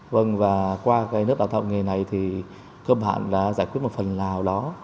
vâng và qua cái nước đào tạo nghề này thì cơ bản đã giải quyết một phần nào đó